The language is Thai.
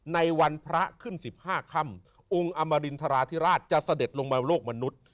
ในวันพระขึ้น๑๕ค่ำองค์อมรินทราธิราชจะเสด็จลงมาโลกมนุษย์